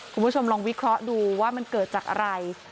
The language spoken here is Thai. คุณผู้ชมลองวิเคราะห์ดูว่ามันเกิดจากอะไร